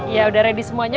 ya udah ready semuanya